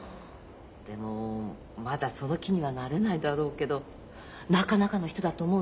でもまだその気にはなれないだろうけどなかなかの人だと思うのよ。